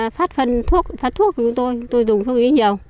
phát thuốc của chúng tôi tôi dùng thuốc ít nhiều